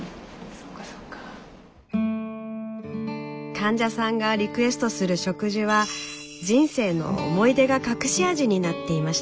患者さんがリクエストする食事は人生の思い出が隠し味になっていました。